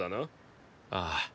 ああ。